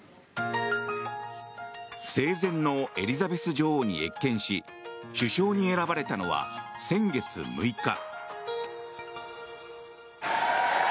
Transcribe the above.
生前のエリザベス女王に謁見し首相に選ばれたのは先月６日。